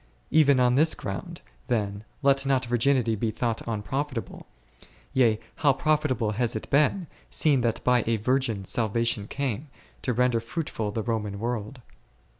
Even on this ground, then, let not virginity be thought unprofitable ; yea, how profitable has it been, seeing that by a Virgin salvation came, to render fruitful the Roman world.